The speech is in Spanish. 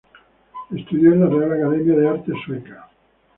Estudió en la Real Academia de Artes sueca.